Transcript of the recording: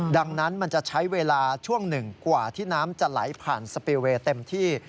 ดังนั้นมันจะใช้เวลาช่วงหนึ่งกว่าที่น้ำจะไหลผ่านสปีลเวย์เต็มที่